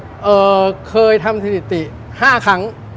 เอ่อเคยทำสถิติ๕ครั้ง